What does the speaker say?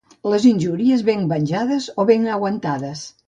Les injúries, ben venjades o ben aguantades.